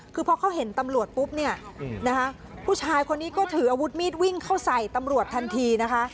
คือพอเขาเห็นตำรวจปุ๊บเนี่ยนะคะผู้ชายคนนี้ก็ถืออาวุธมีดวิ่งเข้าใส่ตำรวจทันทีนะคะ